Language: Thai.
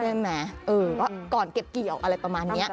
ใช่ไหมเออก็ก่อนเก็บเกี่ยวอะไรประมาณเนี้ย